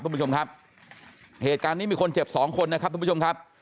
คุณผู้ชมครับเหตุการณ์นี้มีคนเจ็บสองคนนะครับทุกผู้ชมครับ